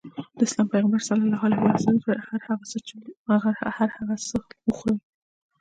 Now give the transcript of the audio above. د اسلام پيغمبر ص وفرمايل هر هغه څه وخورې.